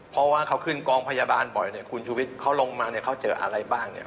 เพราะว่าเขาขึ้นกองพยาบาลบ่อยคุณชุวิตเขาลงมาเขาเจออะไรบ้าง